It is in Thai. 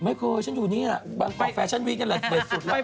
ไม่เคยฉันอยู่นี่แหละบางแฟชั่นวีคนั่นแหละเปิดสุดแล้ว